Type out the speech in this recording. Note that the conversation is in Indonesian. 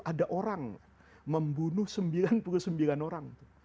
ada orang membunuh sembilan puluh sembilan orang